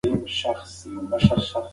ولې د ټولنپوهنې مطالعه زموږ قضاوتونه کموي؟